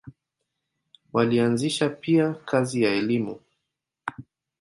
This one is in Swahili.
Walianzisha pia kazi ya elimu.